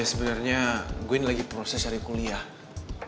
ya sebenernya gue ini lagi proses cari kuliah